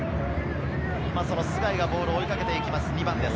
須貝がボールを追いかけていきます、２番です。